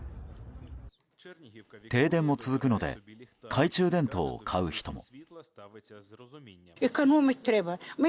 停電も続くので懐中電灯を買う人も。